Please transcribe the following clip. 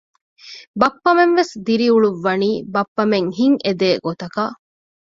ބައްޕަމެން ވެސް ދިރިއުޅުއްވަނީ ބައްޕަމެން ހިތް އެދޭ ގޮތަކަށް